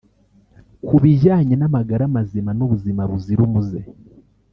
Ku bijyanye n’amagara mazima n’ubuzima buzira umuze